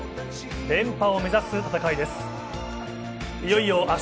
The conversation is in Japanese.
連覇を目指す戦いです。